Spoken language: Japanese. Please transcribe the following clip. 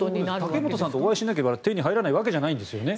竹本さんとお会いしなければ手に入らないわけじゃないんですよね。